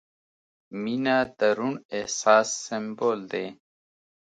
• مینه د روڼ احساس سمبول دی.